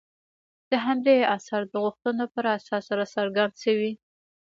د همدې عصر د غوښتنو پر اساس راڅرګند شوي.